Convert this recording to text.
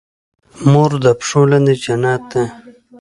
مور د پښو لاندې جنت لري